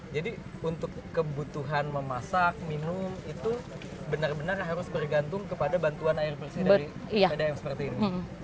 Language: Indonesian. jadi untuk kebutuhan memasak minum itu benar benar harus bergantung kepada bantuan air bersih dari pdm seperti ini